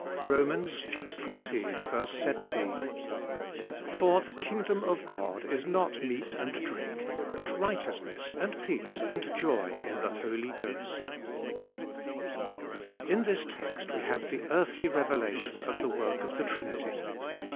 X. Romans 14: 17. — For the Kingdom of God is not meat and drink, but righteousness, ana peace, and joy in the Holy Ghost, IN this text we have the earthly revelation of the work of the Trinity.